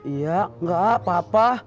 iya enggak apa apa